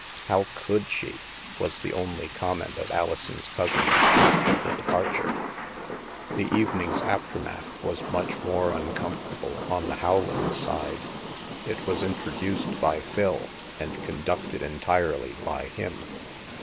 " How could she? " was the only comment of Ali son's cousins, after her departure. THE MAELSTROM 149 The evening's aftermath was much more uncom fortable on the Rowlands' side. It was introduced by Phil and conducted entirely by him.